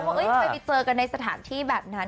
ว่าทำไมไปเจอกันในสถานที่แบบนั้น